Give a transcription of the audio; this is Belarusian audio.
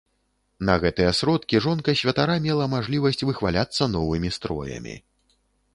На гэтыя сродкі жонка святара мела мажлівасць выхваляцца новымі строямі.